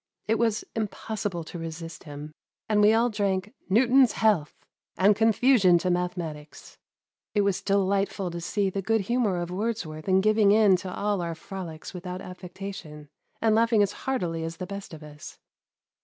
It was impossible to resist him, and we all drank ''Newton's health, and confusion to math ematics." It was delightful to see the good humour of Words worth in giving in to all our frolics without affectation, and laughing as heartily as the best of us.